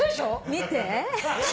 見て。